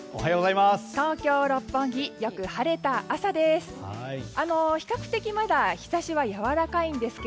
東京・六本木よく晴れた朝です。